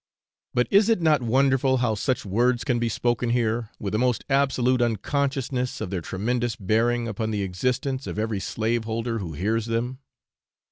But is it not wonderful how such words can be spoken here, with the most absolute unconsciousness of their tremendous bearing upon the existence of every slaveholder who hears them?